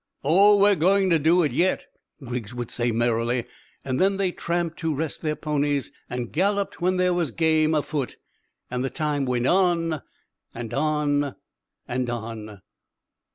"Oh, we're going to do it yet," Griggs would say merrily; and then they tramped to rest their ponies, and galloped when there was game afoot, and the time went on and on and on.